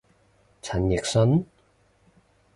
陳奕迅？